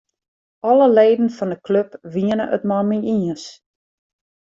Alle leden fan 'e klup wiene it mei my iens.